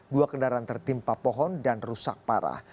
dua kendaraan tertimpa pohon dan rusak parah